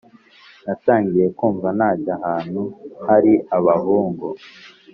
natangiye kumva najya ahantu hari abahungu.